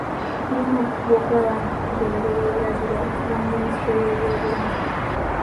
Tulina okufuba okulaba nga tugoberera ebiragiro okuva mu minisitule y'ebyobulamu.